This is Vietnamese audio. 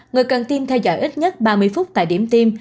người cần tiêm theo dõi ít nhất ba mươi phút tại điểm tiêm